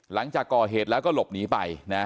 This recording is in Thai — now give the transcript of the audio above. หลังจากก่อเหตุแล้วก็หลบหนีไป